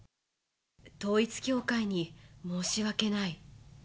統一教会に申し訳ない。